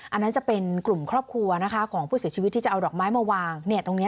อันนั้นจะเป็นกลุ่มครอบครัวนะคะของผู้เสียชีวิตที่จะเอาดอกไม้มาวางตรงนี้